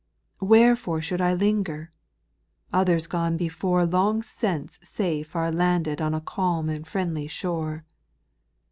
Wherefore should 1 linger? Others gone before Long since safe are landed on a calm and friendly shore.